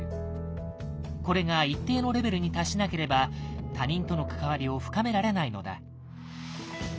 これが一定のレベルに達しなければ他人との関わりを深められないのだ。